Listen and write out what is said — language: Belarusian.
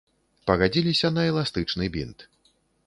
Пагадзіліся на эластычны бінт.